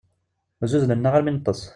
Zzuzznen-aɣ armi i neṭṭes.